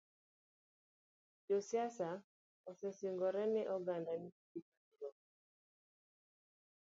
Josiasa osesingore ne oganda ni gibiro